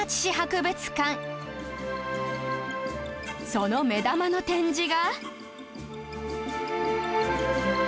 その目玉の展示が